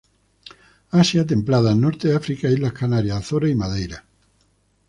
Asia templada, norte de África, Islas Canarias, Azores y Madeira.